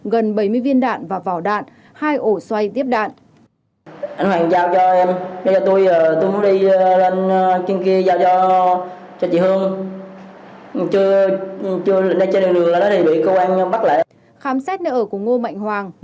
khám xét nơi ở của ngô mạnh hoàng